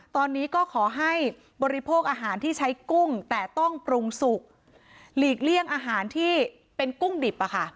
ตอนนี้ก็ขอให้บริโภคอาหารที่ใช้กุ้งแต่ต้องปรุงสุกหลีกเลี่ยงอาหารที่เป็นกุ้งดิบ